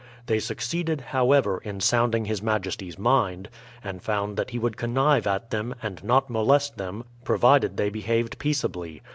They succeeded, however, in sounding his majesty's mind, and found that he would con nive at them, and not molest them, provided they behaved peaceably.